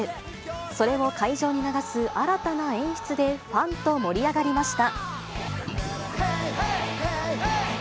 それを会場に流す新たな演出で、ファンと盛り上がりました。